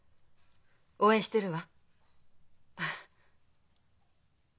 応援してるわ。